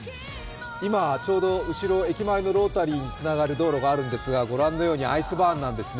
今ちょうど後ろ駅前のロータリーにつながる道路があるんですがご覧のようにアイスバーンなんですね。